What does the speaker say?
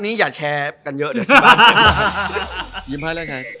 เนี่ยเราพูดสำเร็จว่าถ้าไม่ใช่หรอ